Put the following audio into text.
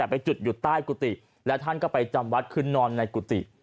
ไปจุดอยู่ใต้กุฏิแล้วท่านก็ไปจำวัดคือนอนในกุฏิ